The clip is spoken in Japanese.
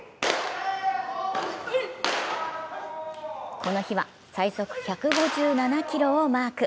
この日は最速１５７キロをマーク。